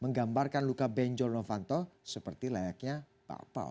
menggambarkan luka benjol novanto seperti layaknya bakpao